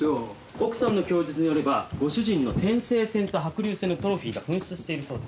奥さんの供述によればご主人の天聖戦と白竜戦のトロフィーが紛失しているそうです。